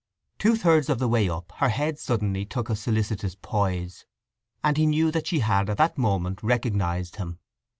Two thirds of the way up her head suddenly took a solicitous poise, and he knew that she had at that moment recognized him.